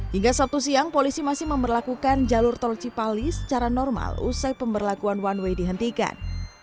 hingga sabtu siang polisi masih memperlakukan jalur tol cipali secara normal usai pemberlakuan one way dihentikan